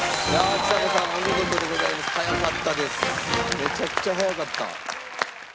めちゃくちゃ早かった。